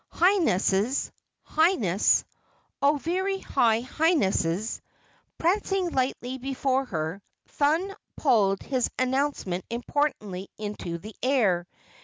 "Highnesses, Highness! Oh, very high Highnesses!" Prancing lightly before her, Thun puffed his announcement importantly into the air.